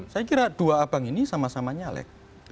saya kira dua abang ini sama sama nyalek